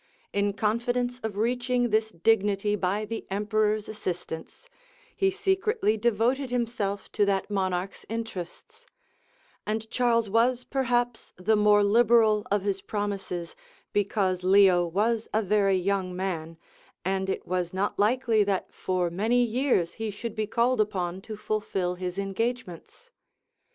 In confidence of reaching this dignity by the emperor's assistance, he secretly devoted himself to that monarch's interests; and Charles was perhaps the more liberal of his promises, because Leo was a very young man; and it was not likely that for many years he should be called upon to fulfil his engagements.